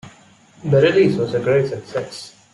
The release was a great success.